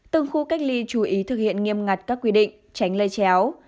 từng khu cách ly chú ý thực hiện nghiêm ngặt các quy định tránh lây chéo